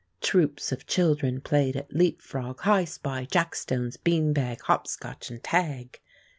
Troops of children played at leap frog, high spy, jack stones, bean bag, hop scotch, and tag.